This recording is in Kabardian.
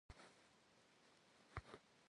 Cedgın zi jjağuem yi paş'e ş'ı'u khıtoç'e.